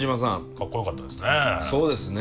かっこよかったですね。